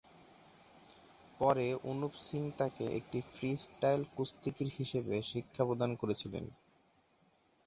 পরে, অনুপ সিং তাকে একটি ফ্রিস্টাইল কুস্তিগীর হিসেবে শিক্ষা প্রদান করেছিলেন।